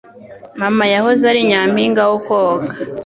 Mama yahoze ari nyampinga wo koga.